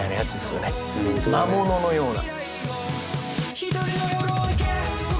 魔物のような。